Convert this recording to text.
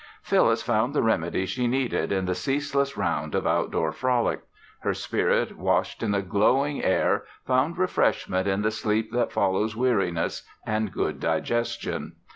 Phyllis found the remedy she needed in the ceaseless round of outdoor frolic. Her spirit washed in the glowing air found refreshment in the sleep that follows weariness and good digestion.